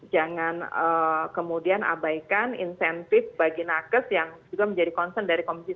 jangan kemudian abaikan insentif bagi nakes yang juga menjadi konsen dari komisi sembilan ya